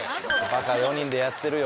バカ４人でやってるよ。